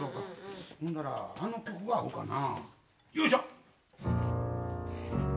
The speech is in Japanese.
ほんならあの曲が合うかな？